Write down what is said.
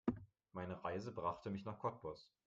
Meine Reise brachte mich nach Cottbus